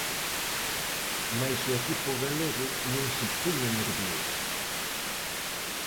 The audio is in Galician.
Mais o equipo galego non se puña nervioso.